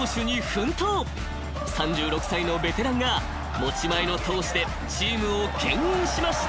［３６歳のベテランが持ち前の闘志でチームをけん引しました］